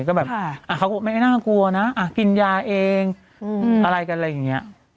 ก็แบบเขาก็ไม่น่ากลัวนะกินยาเองอะไรกันอะไรอย่างนี้